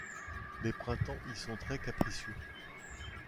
Les printemps y sont très capricieux.